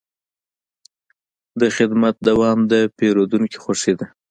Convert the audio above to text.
د خدمت دوام د پیرودونکي خوښي ده.